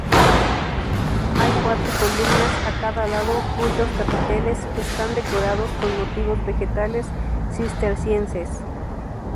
Hay cuatro columnas a cada lado cuyos capiteles están decorados con motivos vegetales cistercienses.